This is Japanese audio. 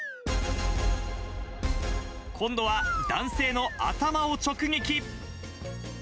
今度は男性の頭を直撃。